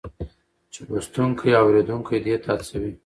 چې لوستونکی او اورېدونکی دې ته هڅوي